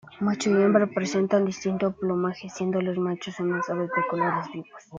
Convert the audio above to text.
Macho y hembra presentan distinto plumaje, siendo los machos unas aves de colores vivos.